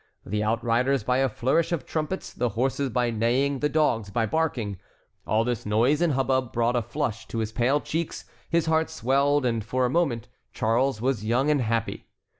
the outriders by a flourish of trumpets, the horses by neighing, the dogs by barking. All this noise and hubbub brought a flush to his pale cheeks, his heart swelled, and for a moment Charles was young and happy.